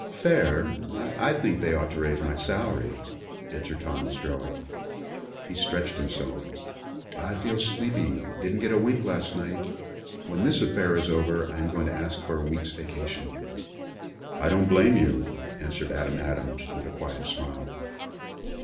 "Fair. I think they ought to raise my salary," answered Tom Ostrello. He stretched himself. "I feel sleepy didn't get a wink last night. When this affair is over I am going to ask for a week's vacation." "I don't blame you," answered Adam Adams, with a quiet smile.